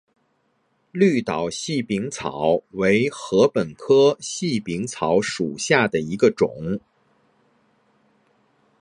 绿岛细柄草为禾本科细柄草属下的一个种。